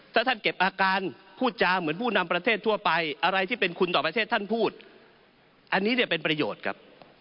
ถ้าท่านเก็บอาการพูดจาเหมือนผู้นำประเทศทั่วไปอะไรที่เป็นคุณต่อประเทศท่านพูดอันนี้เนี่ยเป็นประโยชน์ครับ